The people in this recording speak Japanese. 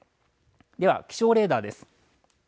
では気象レーダーです。